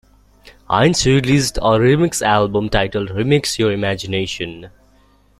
Hines released a remix album titled "Remix Your Imagination".